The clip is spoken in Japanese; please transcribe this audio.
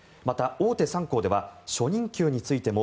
大手３行では初任給についても